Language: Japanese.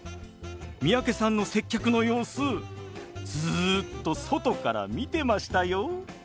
三宅さんの接客の様子ずっと外から見てましたよ。